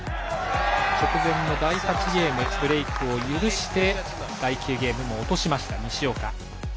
直前の第８ゲームブレイクを許して第９ゲームも落としました、西岡。